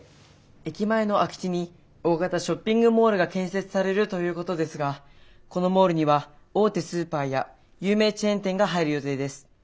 駅前の空き地に大型ショッピングモールが建設されるということですがこのモールには大手スーパーや有名チェーン店が入る予定です。